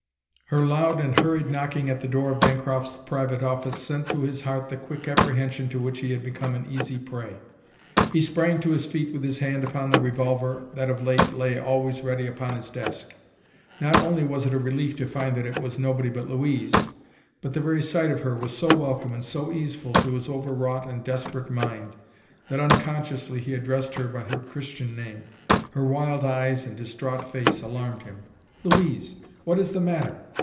Her loud and hurried knocking at the door of Bancroft's private office sent to his heart the quick apprehension to which he had become an easy prey. He sprang to his feet with his hand upon the revolver that of late lay always ready upon his desk. Not only was it a relief to find that it was nobody but Louise, but the very sight of her was so welcome and so easeful to his overwrought and desperate mind that unconsciously he addressed her by her Christian name. Her wild eyes and distraught face alarmed him. "Louise! What is the matter?